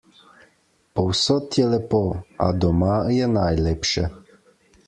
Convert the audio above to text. Povsod je lepo, a doma je najlepše.